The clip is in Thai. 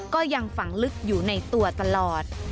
ก็ยังฝังลึกอยู่ในตัวตลอด